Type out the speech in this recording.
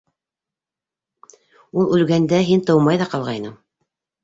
Ул үлгәндә һин тыумай ҙа ҡалғайның.